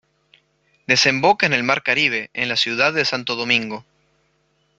Desemboca en el mar Caribe, en la ciudad de Santo Domingo.